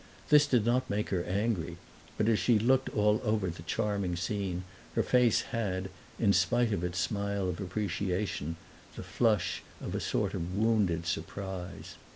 This did not make her angry; but as she looked all over the charming scene her face had, in spite of its smile of appreciation, the flush of a sort of wounded surprise.